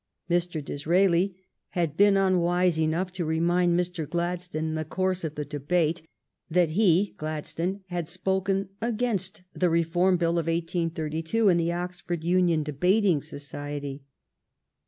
Mr. Disraeli had been unwise enough to remind Mr. Gladstone, in the course of the debate, that he, Gladstone, had spoken against the Reform Bill of 1832 in the Oxford Union Debating Society.